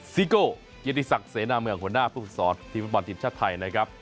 ซิโกวยกฤษักเศนเมืองหัวหน้าภูมิสอบทีมฟอร์ตทิมชาติไทย